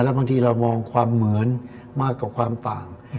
บางทีเรามองความเหมือนมากกว่าความต่าง